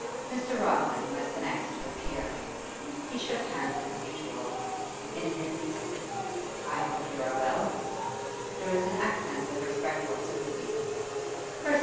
Mr. Rodman was the next to appear. He shook hands as usual. In his 'I hope you are well?' there was an accent of respectful sympathy.